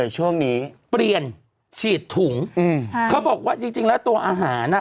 ช่วงนี้เปลี่ยนฉีดถุงอืมเขาบอกว่าจริงจริงแล้วตัวอาหารอ่ะ